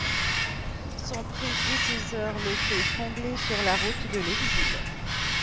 Son prédécesseur le fait étrangler sur la route de l'exil.